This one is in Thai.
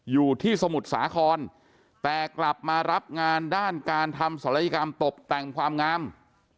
อยู่ที่สมุทรสาครแต่กลับมารับงานด้านการทำศัลยกรรมตบแต่งความงาม